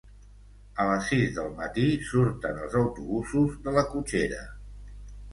A les sis del matí surten els autobusos de la cotxera.